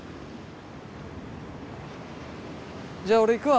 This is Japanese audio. じゃあ俺行くわ。